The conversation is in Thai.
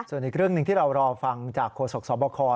ส่วนอีกเรื่องหนึ่งที่เรารอฟังจากโฆษกสบค